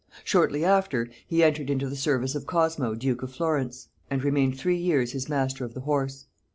Shortly after, he entered into the service of Cosmo duke of Florence, and remained three years his master of the horse.